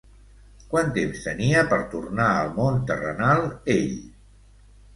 Quant temps tenia per tornar al món terrenal ell?